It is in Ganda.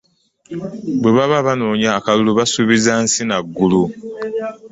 Bwe baba banoonya akalulu basuubiza nsi na ggulu.